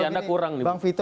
berhasil anda kurang nih